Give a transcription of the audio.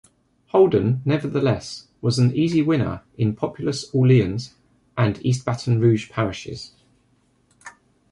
Holden nevertheless was an easy winner in populous Orleans and East Baton Rouge parishes.